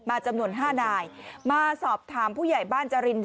จำนวน๕นายมาสอบถามผู้ใหญ่บ้านจริน